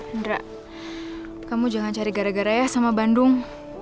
indra kamu jangan cari gara gara ya sama bandung